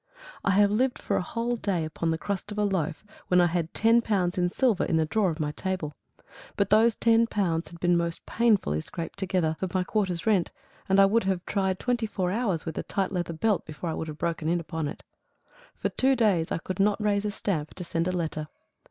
I have lived for a whole day upon the crust of a loaf, when I had ten pounds in silver in the drawer of my table. But those ten pounds had been most painfully scraped together for my quarter's rent, and I would have tried twenty four hours with a tight leather belt before I would have broken in upon it. For two days I could not raise a stamp to send a letter.